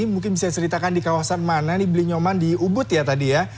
mungkin bisa saya ceritakan di kawasan mana ini belinyoman di ubud ya tadi ya